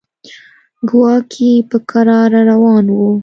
کواګې په کراره روان و.